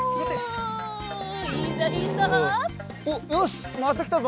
おっよしまたきたぞ。